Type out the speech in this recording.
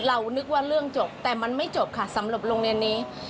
นึกว่าเรื่องจบแต่มันไม่จบค่ะสำหรับโรงเรียนนี้